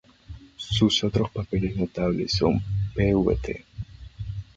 Sus otros papeles notables son Pvt.